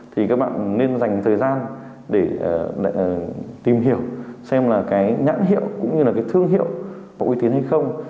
thì các bạn nên dành thời gian để tìm hiểu xem là cái nhãn hiệu cũng như là cái thương hiệu có uy tín hay không